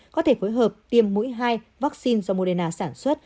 có thể phối hợp tiêm mũi hai vaccine do moderna sản xuất